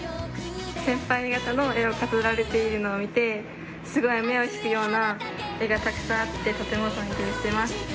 先輩方の絵が飾られているのを見てすごい目を引くような絵がたくさんあってとても尊敬してます。